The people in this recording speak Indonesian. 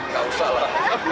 tak usah lah